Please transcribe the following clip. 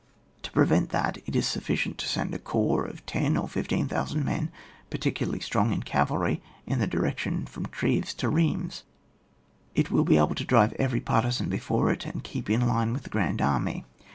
To prevent that, it is sufficient to send a corps of 10,000 or 15,000 men, particularly strong in cavcJiy, in the direction from Treves to Hheims. It will be able to drive every partisan before it, and keep in line with the grand army.